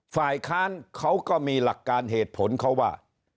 ฝ่ายค้านเขาก็มีหลักการเหตุผลเขาว่า